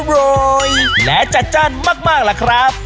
โรยและจัดจ้านมากล่ะครับ